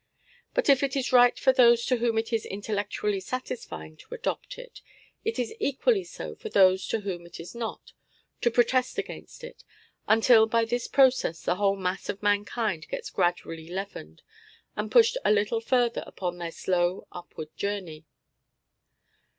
But if it is right for those to whom it is intellectually satisfying to adopt it, it is equally so for those to whom it is not, to protest against it, until by this process the whole mass of mankind gets gradually leavened, and pushed a little further upon their slow upward journey.